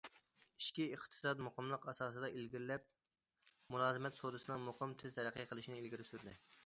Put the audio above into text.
ئىچكى ئىقتىساد مۇقىملىق ئاساسىدا ئىلگىرىلەپ، مۇلازىمەت سودىسىنىڭ مۇقىم، تېز تەرەققىي قىلىشىنى ئىلگىرى سۈردى.